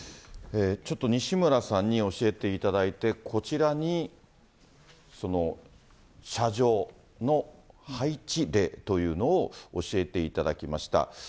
ちょっと西村さんに教えていただいて、こちらに射場の配置例というのを教えていただきました。